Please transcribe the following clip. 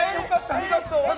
ありがとう。